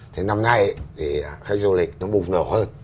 thế năm nay thì khách du lịch nó bùng nổ hơn